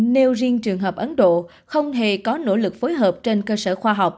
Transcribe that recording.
nếu riêng trường hợp ấn độ không hề có nỗ lực phối hợp trên cơ sở khoa học